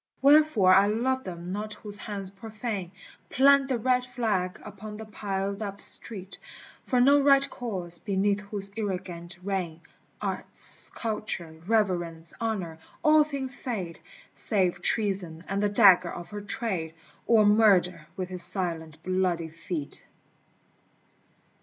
Wherefore I love them not whose hands profane Plant the red flag upon the piled up street For no right cause, beneath whose ignorant reign Arts, Culture, Reverence, Honor, all things fade, Save Treason and the dagger of her trade, Or Murder with his silent bloody feet.